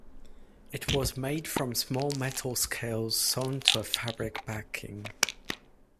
It was made from small metal scales sewn to a fabric backing.